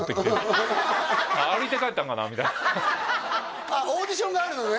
さりげなくああオーディションがあるのね